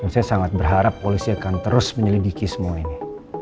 saya sangat berharap polisi akan terus menyelidiki semua ini